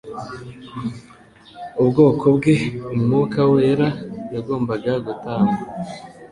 ubwoko bwe. Umwuka wera yagombaga gutangwa